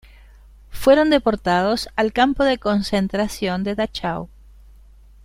Fueron deportados al Campo de concentración de Dachau.